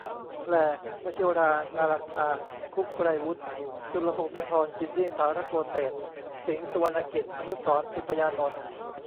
แปล : วชิรา นาลันทา คุปต์ ไกรวุฒิ จุลพงศธร จินนี่ สาระโกเศศ สิงห์ สุวรรณกิจ อนุสรณ์ ติปยานนท์